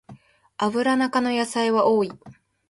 アブラナ科の野菜は多い